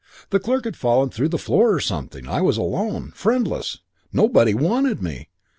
The clerk had fallen through the floor or something. I was alone. Friendless. Nobody wanted me.